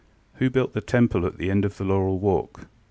ŌĆ£Who built the temple at the end of the laurel walk?